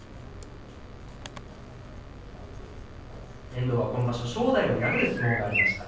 遠藤は今場所正代を破る相撲がありました。